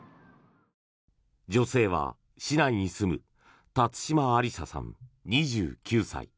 女性は市内に住む辰島ありささん、２９歳。